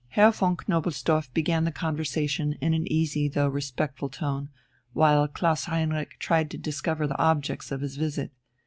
Herr von Knobelsdorff began the conversation in an easy though respectful tone, while Klaus Heinrich tried to discover the objects of his visit.